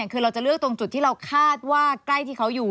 คือเราจะเลือกตรงจุดที่เราคาดว่าใกล้ที่เขาอยู่